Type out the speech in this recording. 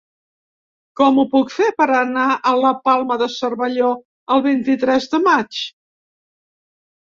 Com ho puc fer per anar a la Palma de Cervelló el vint-i-tres de maig?